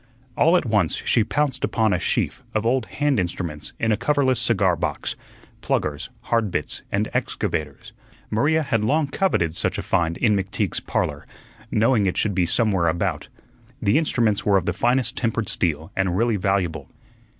All at once she pounced upon a sheaf of old hand instruments in a coverless cigar box, pluggers, hard bits, and excavators. Maria had long coveted such a find in McTeague's "Parlor," knowing it should be somewhere about. The instruments were of the finest tempered steel and really valuable.